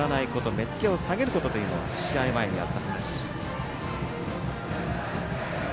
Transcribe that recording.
目付けを下げることというのは試合前にあった話。